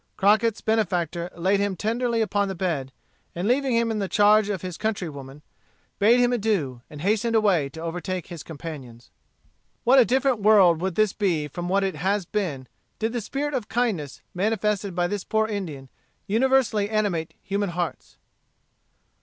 Crockett's benefactor laid him tenderly upon the bed, and leaving him in the charge of his countrywoman, bade him adieu, and hastened away to overtake his companions. What a different world would this be from what it has been, did the spirit of kindness, manifested by this poor Indian, universally animate human hearts!